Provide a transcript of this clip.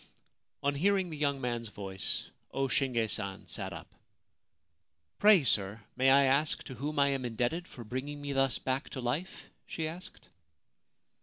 On hearing the young man's voice O Shinge San sat up. {Pray, sir, may I ask to whom I am indebted for bringing me thus back to life ?' she asked.